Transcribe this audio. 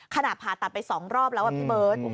ขณะผ่าตัดไปสองรอบแล้วแบบเบิ้ด